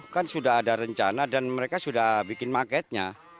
kan sudah ada rencana dan mereka sudah bikin marketnya